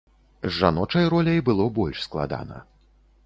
З жаночай роляй было больш складана.